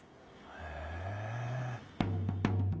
へえ。